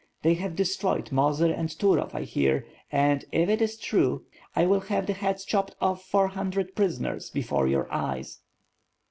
They have destroyed Mozyr and Turov I hear; and, if it is true, I will have the heads chopped off four hundred prisoners, before your eyes."